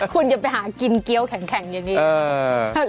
คุณอย่าไปหากินเกี้ยวแข็งอย่างนี้